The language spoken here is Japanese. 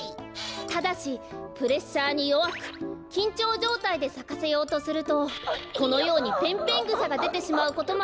ただしプレッシャーによわくきんちょうじょうたいでさかせようとするとこのようにペンペングサがでてしまうこともあります。